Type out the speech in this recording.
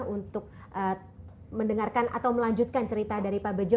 untuk mendengarkan atau melanjutkan cerita dari pak bejo